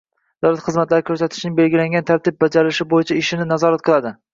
davlat xizmatlari ko’rsatishning belgilangan tartibi bajarilishi bo’yicha ishini nazorat qiladi.